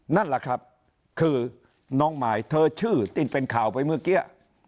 นั่นแหละครับคือน้องมายเธอชื่อที่เป็นข่าวไปเมื่อกี้